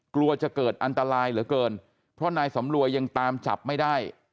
กลัวจะเกิดอันตรายเหลือเกินเพราะนายสำรวยยังตามจับไม่ได้